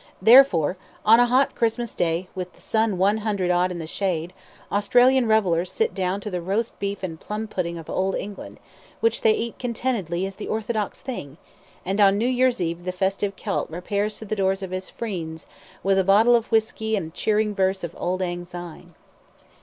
Therefore, on a hot Christmas day, with the sun one hundred odd in the shade, Australian revellers sit down to the roast beef and plum pudding of Old England, which they eat contentedly as the orthodox thing, and on New Year's Eve the festive Celt repairs to the doors of his "freends" with a bottle of whisky and a cheering verse of Auld Lang Syne.